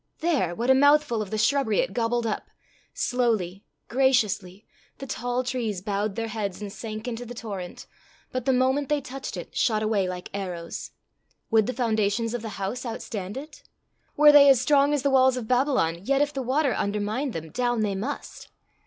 There! what a mouthful of the shrubbery it gobbled up! Slowly, graciously, the tall trees bowed their heads and sank into the torrent, but the moment they touched it, shot away like arrows. Would the foundations of the house outstand it? Were they as strong as the walls of Babylon, yet if the water undermined them, down they must!